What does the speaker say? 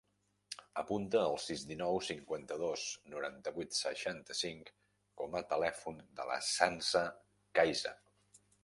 Apunta el sis, dinou, cinquanta-dos, noranta-vuit, seixanta-cinc com a telèfon de la Sança Caiza.